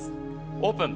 オープン。